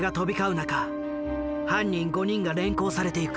中犯人５人が連行されていく。